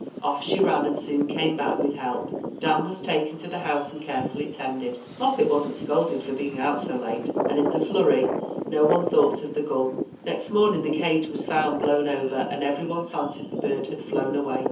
Off she ran, and soon came back with help. Dan was taken to the house and carefully tended; Moppet wasn't scolded for being out so late; and, in the flurry, no one thought of the gull. Next morning, the cage was found blown over, and every one fancied the bird had flown away.